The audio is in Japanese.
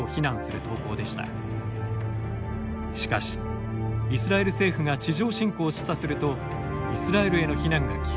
しかしイスラエル政府が地上侵攻を示唆するとイスラエルへの非難が急増。